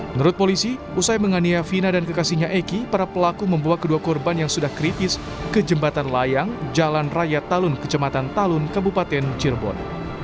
menurut polisi usai mengania vina dan kekasihnya eki para pelaku membawa kedua korban yang sudah kritis ke jembatan layang jalan raya talun kecematan talun kabupaten cirebon